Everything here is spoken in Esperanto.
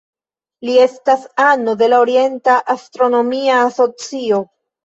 Li estas ano de la Orienta Astronomia Asocio.